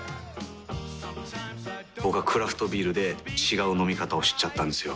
僕はクラフトビールで違う飲み方を知っちゃったんですよ。